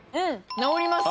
治ります。